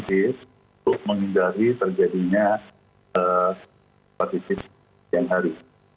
untuk menghindari terjadinya hepatitis yang hari